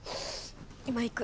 今行く。